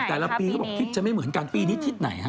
แต่ละปีเขาบอกทิศจะไม่เหมือนกันปีนี้ทิศไหนฮะ